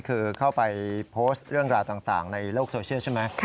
คือเข้าไปโพสต์เรื่องราวต่างในโลกโซเชียลใช่ไหม